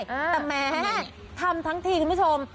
แต่แม้ทำทั้งทีคุณผู้ชม